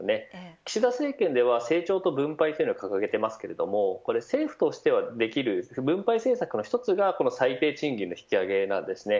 岸田政権では成長と分配というのを掲げていますが政府としてできる分配政策の一つがこの最低賃金の引き上げなんです。